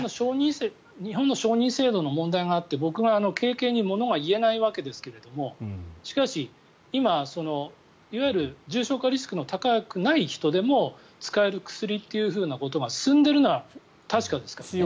日本の承認制度の問題があって僕は軽々にものが言えないわけですがしかし、今いわゆる重症化リスクの高くない人でも使える薬が進んでいるのは確かですから。